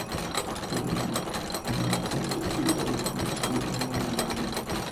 Para financiar sus estudios, trabajó como ilustrador de moda independiente.